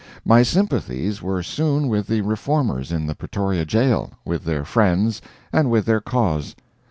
My sympathies were soon with the Reformers in the Pretoria jail, with their friends, and with their cause.